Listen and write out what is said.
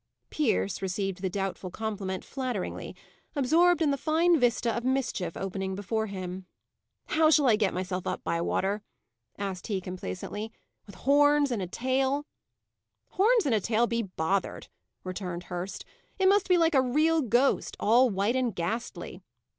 Pierce received the doubtful compliment flatteringly, absorbed in the fine vista of mischief opening before him. "How shall I get myself up, Bywater?" asked he, complaisantly. "With horns and a tail?" "Horns and a tail be bothered!" returned Hurst. "It must be like a real ghost, all white and ghastly."